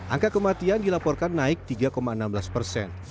angka kematian dilaporkan naik tiga enam belas persen